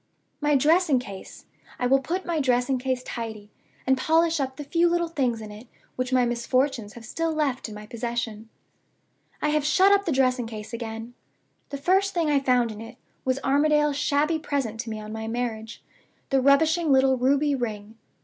My dressing case I will put my dressing case tidy, and polish up the few little things in it which my misfortunes have still left in my possession. "I have shut up the dressing case again. The first thing I found in it was Armadale's shabby present to me on my marriage the rubbishing little ruby ring.